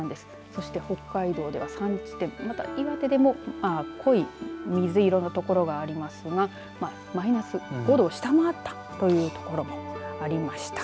そして北海道、岩手でも濃い水色の所がありますがマイナス５度を下回ったという所もありました。